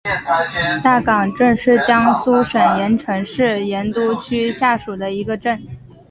大冈镇是江苏省盐城市盐都区下属的一个镇。